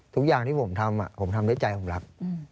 ทุกอย่างที่ผมทำผมทำด้วยใจผมรัก